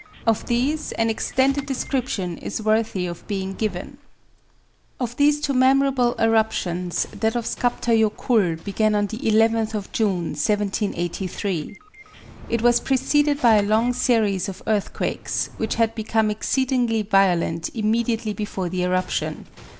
Of these an extended description is worthy of being given. Of these two memorable eruptions, that of Skaptar Jokull began on the 11th of June, 1783. It was preceded by a long series of earthquakes, which had become exceedingly violent immediately before the eruption.